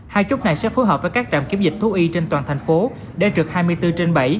hai chốt này sẽ phối hợp với các trạm kiểm dịch thú y trên toàn thành phố để trực hai mươi bốn trên bảy